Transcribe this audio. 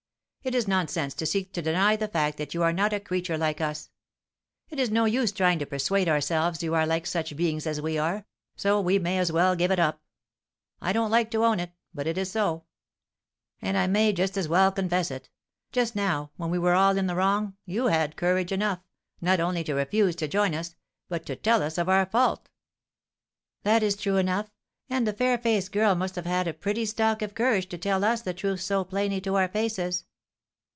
It is nonsense to seek to deny the fact that you are not a creature like us, it is no use trying to persuade ourselves you are like such beings as we are, so we may as well give it up. I don't like to own it, but it is so; and I may just as well confess it. Just now, when we were all in the wrong, you had courage enough, not only to refuse to join us, but to tell us of our fault." "That is true enough; and the fair faced girl must have had a pretty stock of courage to tell us the truth so plainly to our faces."